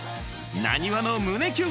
なにわの胸キュン！